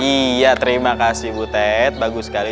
iya terima kasih butet bagus sekali